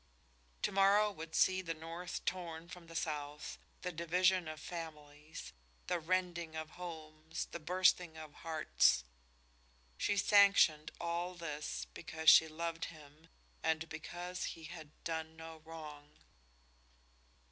To morrow would see the north torn from the south, the division of families, the rending of homes, the bursting of hearts. She sanctioned all this because she loved him and because he had done no wrong.